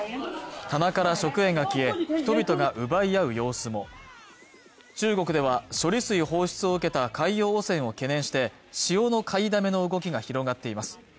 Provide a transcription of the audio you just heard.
棚から食塩が消え人々が奪い合う様子も中国では処理水放出を受けた海洋汚染を懸念して塩の買いだめの動きが広がっています